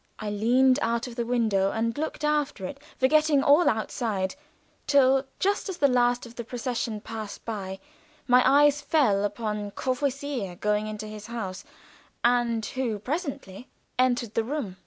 I leaned out of the window and looked after it forgetting all outside, till just as the last of the procession passed by my eyes fell upon Courvoisier going into his house, and who presently entered the room.